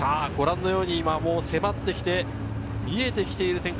迫って来て、見えてきている展開。